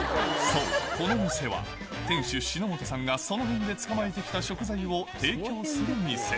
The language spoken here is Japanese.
そう、この店は店主、篠本さんがその辺で捕まえてきた食材を提供する店。